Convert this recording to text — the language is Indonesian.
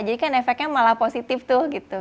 jadi kan efeknya malah positif tuh gitu